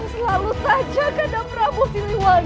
selalu saja kanda merabup siliwan